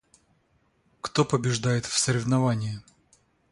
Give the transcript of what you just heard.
Кто побеждает в соревновании?